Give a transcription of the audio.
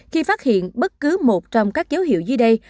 khi phát hiện bất cứ một trong các dấu hiệu dưới đây